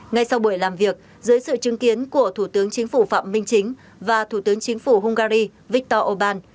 ngay sau buổi làm việc dưới sự chứng kiến của thủ tướng chính phủ phạm minh chính và thủ tướng chính phủ hungary viktor orbán